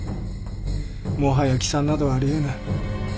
もはや帰参などありえぬ。